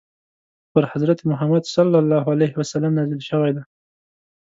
پر حضرت محمد ﷺ نازل شوی دی.